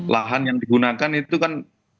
lahan yang digunakan itu kan